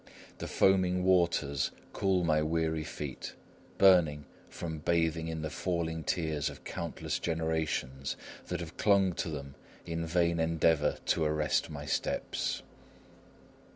The foaming waters cool my weary feet, burning from bathing in the falling tears of countless generations that have clung to them in vain endeavour to arrest my steps.